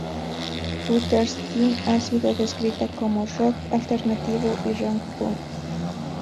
Further Sky ha sido descrita como rock alternativo y rock punk.